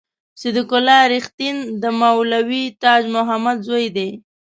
صدیق الله رښتین د مولوي تاج محمد زوی دی.